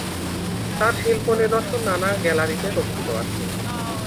তার শিল্প নিদর্শন নানা গ্যালারিতে রক্ষিত আছে।